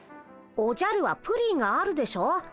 おじゃるはプリンがあるでしょ。